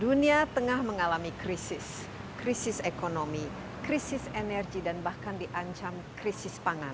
dunia tengah mengalami krisis krisis ekonomi krisis energi dan bahkan diancam krisis pangan